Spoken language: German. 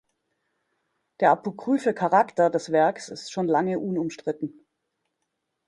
Der apokryphe Charakter des Werks ist schon lange unumstritten.